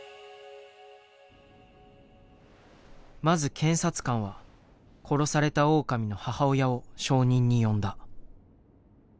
まず検察官は殺されたオオカミの母親を証人に呼んだ。